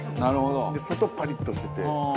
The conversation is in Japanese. で外パリッとしてて。